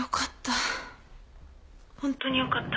よかった。